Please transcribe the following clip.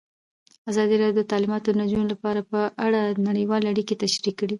ازادي راډیو د تعلیمات د نجونو لپاره په اړه نړیوالې اړیکې تشریح کړي.